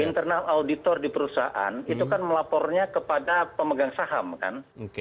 internal auditor di perusahaan itu kan melapornya kepada pemegang saham kan